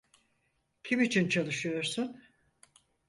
Kim için çalışıyorsun?